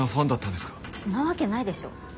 んなわけないでしょ。